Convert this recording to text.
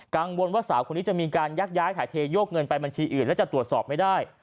กังวลว่าสาวคนนี้จะมีการยักย้ายถ่ายเทโยกเงินไปบัญชีอื่นแล้วจะตรวจสอบไม่ได้